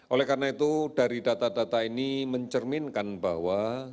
oleh karena itu dari data data ini mencerminkan bahwa